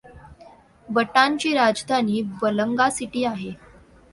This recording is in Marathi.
बटानची राजधानी बलांगा सिटी आहे.